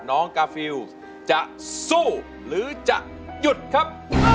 กาฟิลจะสู้หรือจะหยุดครับ